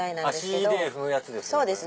足で踏むやつですね。